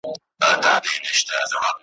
لمن له کاڼو ډکه وړي اسمان په باور نه دی ,